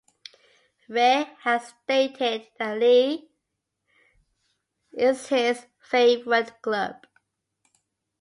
Rey has stated that Lille is his favorite club.